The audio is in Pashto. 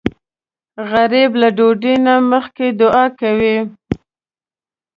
غریب له ډوډۍ نه مخکې دعا کوي